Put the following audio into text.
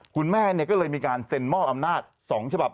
คุณแม่ก็เลยมีการเซ็นมอบอำนาจ๒ฉบับ